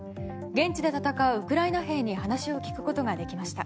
現地で戦うウクライナ兵に話を聞くことができました。